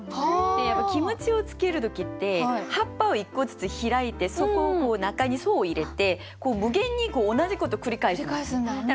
やっぱキムチを漬ける時って葉っぱを１個ずつ開いてそこを中に入れて無限に同じこと繰り返すんですね。